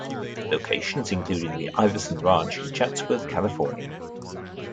Locations included the Iverson Ranch in Chatsworth, California.